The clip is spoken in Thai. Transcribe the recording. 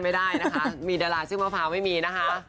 ไม่ได้นะคะมีดาราชื่อมะพร้าวไม่มีนะคะ